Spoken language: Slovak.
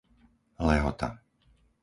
Lehota